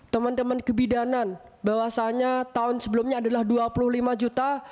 teman teman kebidanan bahwasannya tahun sebelumnya adalah dua puluh lima juta